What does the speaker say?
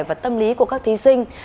và tâm lý của các thí sinh